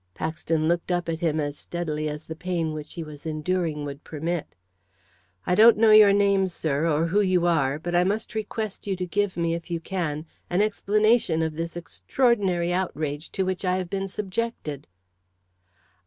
Paxton looked up at him as steadily as the pain which he was enduring would permit. "I don't know your name, sir, or who you are, but I must request you to give me, if you can, an explanation of this extraordinary outrage to which I have been subjected?"